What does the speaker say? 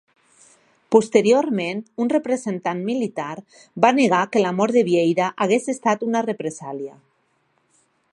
Posteriorment un representant militar va negar que la mort de Vieira hagués estat una represàlia.